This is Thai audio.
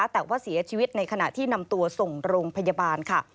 แต่ว่าเสียชีวิตในขณะที่นำตัวส่งโรงพยาบาลค่ะ